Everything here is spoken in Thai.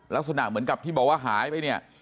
ลักษณะเหมือนกับที่บอกว่าหายไปเนี่ย